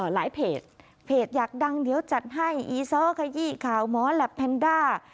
เพจเพจอยากดังเดี๋ยวจัดให้อีซ้อขยี้ข่าวหมอแหลปแพนด้า